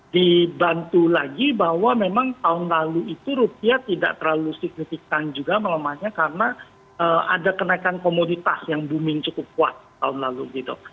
dibantu lagi bahwa memang tahun lalu itu rupiah tidak terlalu signifikan juga melemahnya karena ada kenaikan komoditas yang booming cukup kuat tahun lalu gitu